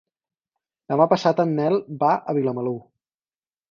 Demà passat en Nel va a Vilamalur.